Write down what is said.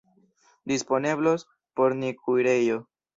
Disponeblos por ni kuirejo.